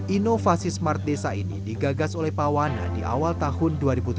inovasi smart desa ini digagas oleh pawana di awal tahun dua ribu tujuh belas